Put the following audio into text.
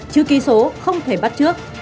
chữ ký số không thể bắt trước